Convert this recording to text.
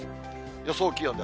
予想気温です。